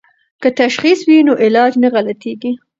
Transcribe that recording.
که تشخیص وي نو علاج نه غلطیږي.